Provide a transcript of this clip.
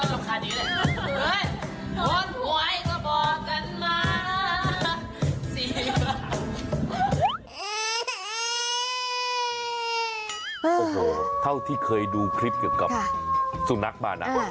โอ้โหเท่าที่เคยดูคลิปเกี่ยวกับสุนัขมานะ